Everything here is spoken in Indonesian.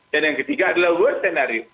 dan yang ketiga adalah worst senario